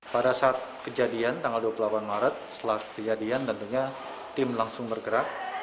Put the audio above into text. pada saat kejadian tanggal dua puluh delapan maret setelah kejadian tentunya tim langsung bergerak